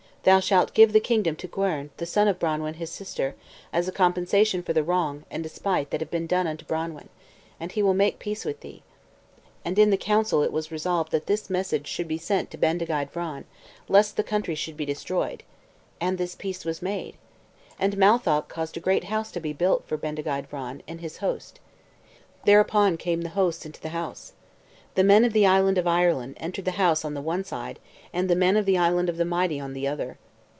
Thou shalt give the kingdom to Gwern, the son of Branwen his sister, as a compensation for the wrong and despite that have been done unto Branwen. And he will make peace with thee." And in the council it was resolved that this message should be sent to Bendigeid Vran, lest the country should be destroyed. And this peace was made. And Matholch caused a great house to be built for Bendigeid Vran, and his host. Thereupon came the hosts into the house. The men of the island of Ireland entered the house on the one side, and the men of the Island of the Mighty on the other.